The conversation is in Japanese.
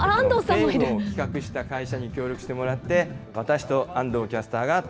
ゲームを企画した会社に協力してもらって、私と安藤キャスタ